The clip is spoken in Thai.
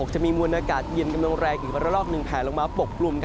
จะมีมวลอากาศเย็นกำลังแรงอีกระลอกหนึ่งแผลลงมาปกกลุ่ม